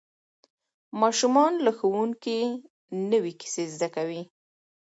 ماشومان له ښوونکي نوې کیسې زده کوي